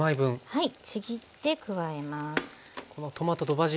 はい。